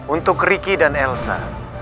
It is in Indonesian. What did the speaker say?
untuk riki dan elsa